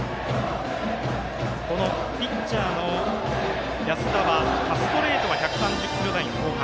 ピッチャーの安田はストレートは１３０キロ台後半。